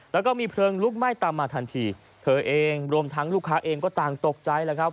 แล้วก็มีเพลิงลุกไหม้ตามมาทันทีเธอเองรวมทั้งลูกค้าเองก็ต่างตกใจแล้วครับ